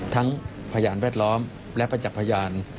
พยานแวดล้อมและประจักษ์พยาน